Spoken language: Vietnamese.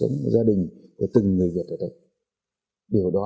những cái điều kiện đó